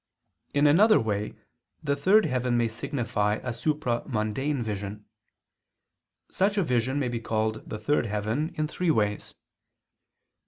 In another way the third heaven may signify a supra mundane vision. Such a vision may be called the third heaven in three ways.